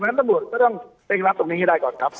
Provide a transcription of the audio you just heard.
เพราะฉะนั้นสบวนก็ต้องเตรียมรับตรงนี้ได้ก่อนครับ